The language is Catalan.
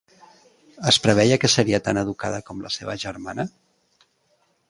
Es preveia que seria tan educada com la seva germana?